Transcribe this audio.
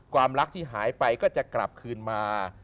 ความรักที่หายไปก็จะกลับคืนมา